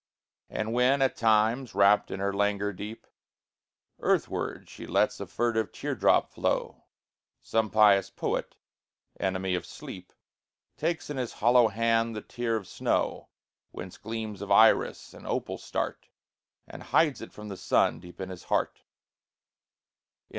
And when, at times, wrapped in her languor deep, Earthward she lets a furtive tear drop flow, Some pious poet, enemy of sleep, Takes in his hollow hand the tear of snow Whence gleams of iris and of opal start, And hides it from the Sun, deep in his heart.